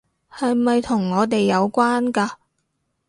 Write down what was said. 係咪同我哋有關㗎？